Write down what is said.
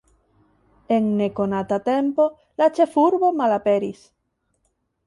En nekonata tempo la ĉefurbo malaperis.